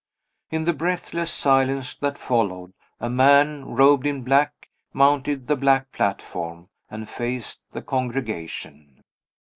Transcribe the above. In the breathless silence that followed, a man robed in black mounted the black platform, and faced the congregation.